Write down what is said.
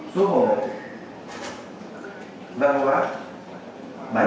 chín mươi hai số hồ văn hóa